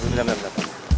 eh eh eh nanti